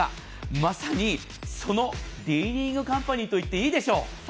まさにそのリーディングカンパニーといっていいでしょう。